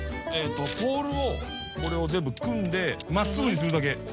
ポールを全部組んでまっすぐにするだけ。